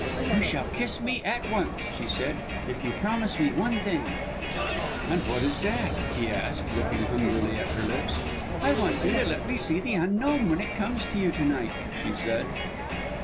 "You shall kiss me at once," she said, "if you promise me one thing." "And what is that?" he asked, looking hungrily at her lips. "I want you to let me see the Unknown when it comes to you to night," she said.